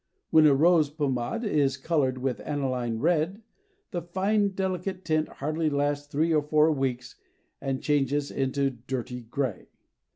When a rose pomade is colored with aniline red, the fine delicate tint hardly lasts three or four weeks and changes into dirty gray.